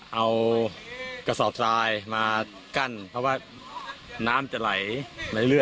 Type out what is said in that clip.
เอากระสอบทรายมากั้นเพราะว่าน้ำจะไหลในเลือด